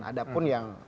ada pun yang